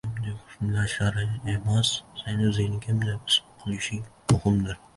Seni kim deb hisoblashlari emas, sen o‘zingni kim deb his qilishing muhimdir.